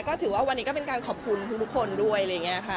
ก็ถือว่าวันนี้ก็เป็นการขอบคุณทุกคนด้วยอะไรอย่างนี้ค่ะ